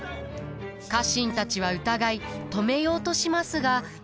家臣たちは疑い止めようとしますが。